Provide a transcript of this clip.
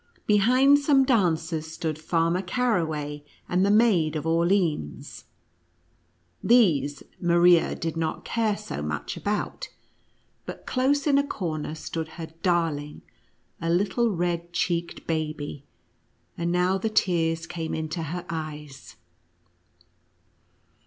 Behind some dancers, stood Farmer Caraway and the Maid of Orleans — these Maria did not care so 1 98 NUTCEACKER AND MOUSE KING. much about; but close in a corner stood her darling, a little red cheeked baby, and now the tears came into her eyes.